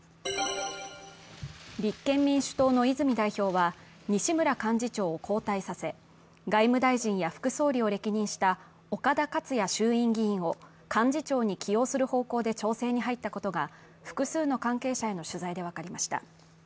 立憲民主党の泉代表は、西村幹事長を交代させ、外務大臣や副総理を歴任した岡田克也衆院議員を幹事長に起用する方向で調整に入ったことが複数の関係者への取材で分かりました。